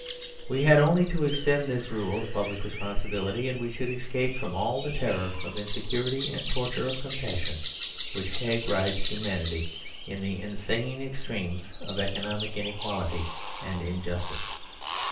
We had only to extend this rule of public responsibility, and we should escape from all the terror of insecurity and torture of compassion, which hag rides humanity in the insane extremes of economic inequality and injustice.